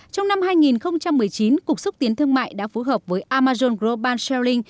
trong năm hai nghìn một mươi chín cục xúc tiến thương mại đã phối hợp với amazon group bansharing